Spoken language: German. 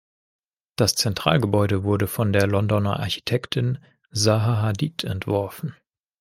Das Zentralgebäude wurde von der Londoner Architektin Zaha Hadid entworfen.